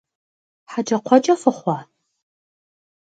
ХьэкӀэкхъуэкӀэ фыхъуа?!